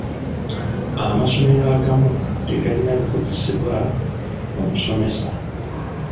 Amasomero agamu tegalina bikozesebwa mu musomesa.